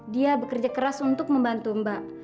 dia bekerja keras untuk membantu mbak